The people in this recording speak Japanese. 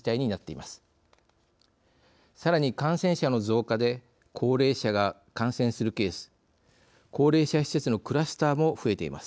さらに感染者の増加で高齢者が感染するケース高齢者施設のクラスターも増えています。